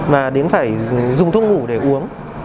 và đến phải dùng thuốc ngủ để uống